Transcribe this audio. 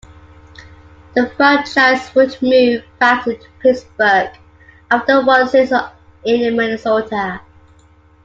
The franchise would move back to Pittsburgh after one season in Minnesota.